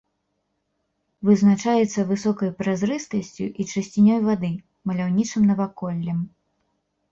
Вызначаецца высокай празрыстасцю і чысцінёй вады, маляўнічым наваколлем.